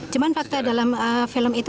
cuma fakta dalam film itu